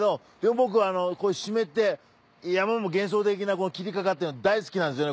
僕こういう湿って山も幻想的な霧かかってるの大好きなんですよね。